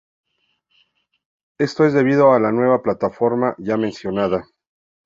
Esto es debido a la nueva plataforma ya mencionada.